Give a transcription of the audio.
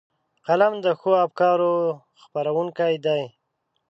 قلم د ښو افکارو خپرونکی دی